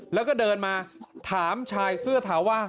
แล้วก็เดินมาถามชายเสื้อขาวว่า